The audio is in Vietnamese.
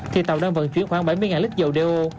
thì tàu đang vận chuyển khoảng bảy mươi lít dầu đeo